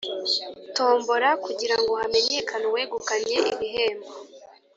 Tombola kugira ngo hamenyekane uwegukanye ibihembo